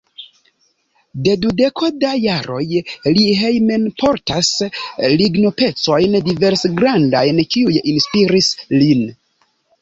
De dudeko da jaroj li hejmenportas lignopecojn diversgrandajn, kiuj inspiris lin.